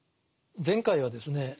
前回はですね